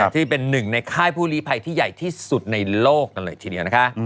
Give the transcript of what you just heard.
ที่เป็นหนึ่งในค่ายผู้ลีภัยที่ใหญ่ที่สุดในโลกกันเลยทีเดียวนะคะ